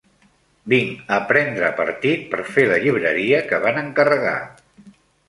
Vinc a prendre partit per fer la llibreria que van encarregar.